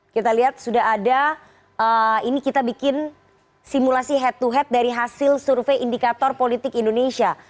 kita lihat sudah ada ini kita bikin simulasi head to head dari hasil survei indikator politik indonesia